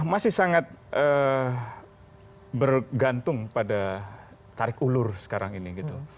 masih sangat bergantung pada tarik ulur sekarang ini gitu